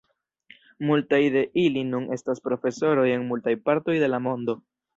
Multaj de ili nun estas profesoroj en multaj partoj de la mondo.